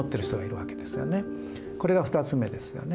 これが２つ目ですよね。